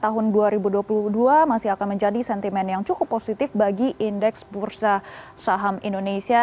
tahun dua ribu dua puluh dua masih akan menjadi sentimen yang cukup positif bagi indeks bursa saham indonesia